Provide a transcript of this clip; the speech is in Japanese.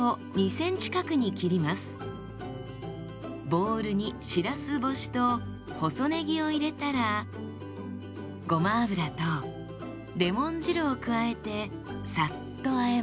ボウルにしらす干しと細ねぎを入れたらごま油とレモン汁を加えてさっとあえます。